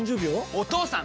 お義父さん！